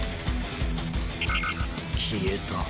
消えた。